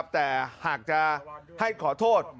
แต่หากจะให้ขอโทษ